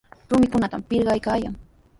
Rumikunatami pirqaykaayan.